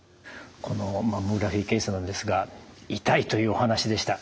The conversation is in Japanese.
このマンモグラフィー検査なんですが痛いというお話でした。